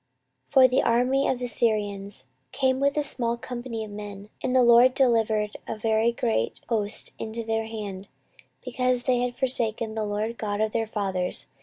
14:024:024 For the army of the Syrians came with a small company of men, and the LORD delivered a very great host into their hand, because they had forsaken the LORD God of their fathers.